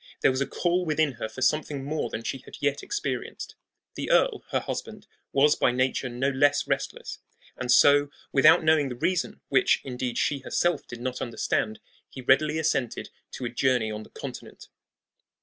There was a call within her for something more than she had yet experienced. The earl, her husband, was by nature no less restless; and so, without knowing the reason which, indeed, she herself did not understand he readily assented to a journey on the Continent.